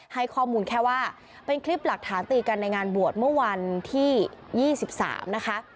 ให้ข้อมูลแค่ว่าเป็นคลิปหลักฐานตีกันในงานบวชเมื่อวันที่๒๓นะคะ